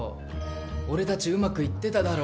俺たちうまくいってただろ。